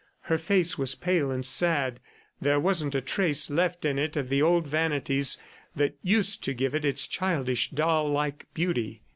Her face was pale and sad. There wasn't a trace left in it of the old vanities that used to give it its childish, doll like beauty.